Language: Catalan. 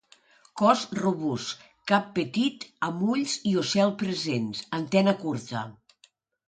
Cos robust, cap petit amb ulls i ocel presents, antena curta.